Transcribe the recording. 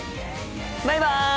バイバイ！